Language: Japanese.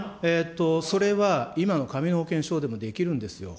それは今の紙の保険証でもできるんですよ。